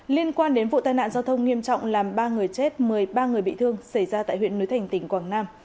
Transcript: liên quan đến vụ tai nạn giao thông nghiêm trọng làm ba người chết một mươi ba người bị thương xảy ra tại huyện núi thành tỉnh quảng nam